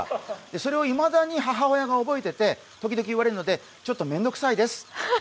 それをいまだに母親が覚えていて時々言われるので、ちょっと面倒くさいです。